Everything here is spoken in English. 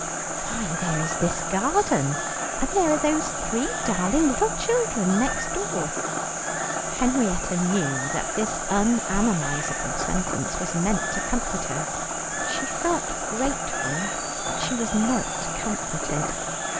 Why, there is this garden, and there are those three darling little children next door." Henrietta knew that this unanalysable sentence was meant to comfort her. She felt grateful, but she was not comforted.